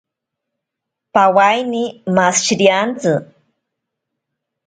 Pawaine mashiriantsi.